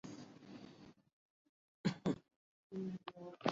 Pakistan cricket نے بہرطور